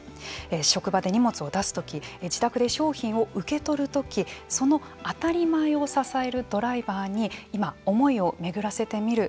職場で荷物を出す時自宅で商品を受け取る時その当たり前を支えるドライバーに今、思いを巡らせてみる